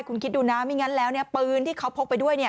คุณคิดดูนะไม่งั้นแล้วปืนที่เขาพกไปด้วย